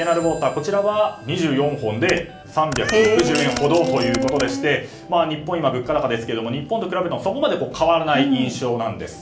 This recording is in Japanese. こちらは２４本で３６０円ほどということで日本は今、物価高ですけれども日本と比べてもそこまで変わらない印象です。